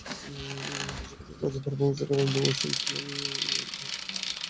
বিশ্বকাপে বাজে পারফরম্যান্সের কারণে দুয়ো শুনেছিলেন নিজের দেশের দর্শকদের কাছ থেকে।